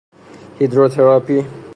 هیدروتراپی